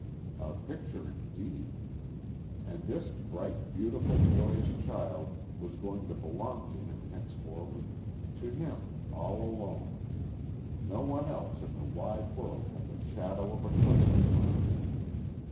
A picture indeed! And this bright, beautiful, joyous child, was going to belong to him henceforward to him, all alone. No one else in the wide world had the shadow of a claim upon her.